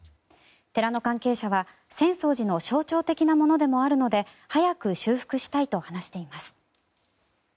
寺の関係者は、浅草寺の象徴的なものでもあるので早く修復したいと話しています。